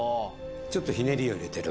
ちょっとひねりを入れてる。